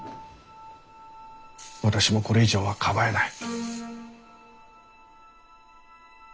私もこれ以上はかばえない。